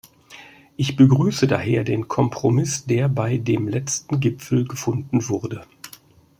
Ich begrüße daher den Kompromiss, der bei dem letzten Gipfel gefunden wurde.